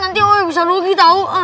nanti aku bisa rugi tau